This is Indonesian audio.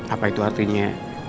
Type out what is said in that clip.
apa itu artinya